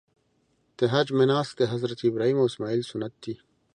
د حج مناسک د حضرت ابراهیم او اسماعیل سنت دي.